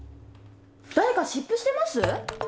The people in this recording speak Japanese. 誰か湿布してます？